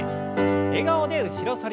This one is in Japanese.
笑顔で後ろ反り。